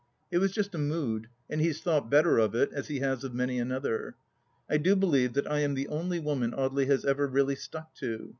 It was just a mood, and he has thought better of it, as he has of many another. I do believe that I am the only woman Audely has really ever stuck to.